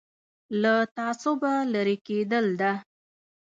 له تعصبه لرې کېدل ده.